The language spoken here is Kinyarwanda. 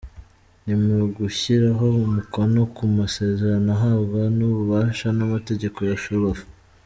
Ni mu gushyiraho umukono ku masezerano ahabwa n’ububasha n’amategeko ya Ferwafa.